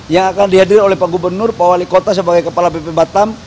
yang akan dihadiri oleh pak gubernur pak wali kota sebagai kepala bp batam